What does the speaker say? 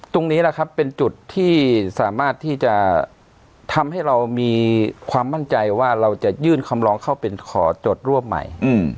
ตรงนี้แหละครับเป็นจุดที่สามารถที่จะทำให้เรามีความมั่นใจว่าเราจะยื่นคำร้องเข้าเป็นขอจดรวบใหม่